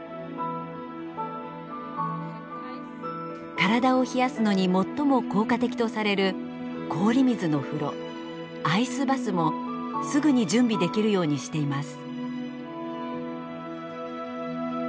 体を冷やすのに最も効果的とされる氷水の風呂アイスバスもすぐに準備できるようにしています。